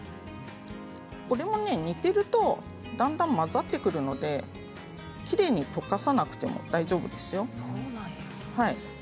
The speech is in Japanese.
これも煮ているとだんだん混ざってくるのできれいに溶かさなくても大丈夫ですよ。